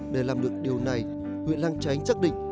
để làm được điều này huyện lạng chánh chắc định